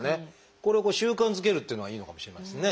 これを習慣づけるっていうのはいいのかもしれませんね。